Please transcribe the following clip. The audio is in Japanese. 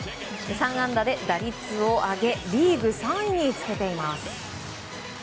３安打で打率を上げリーグ３位につけています。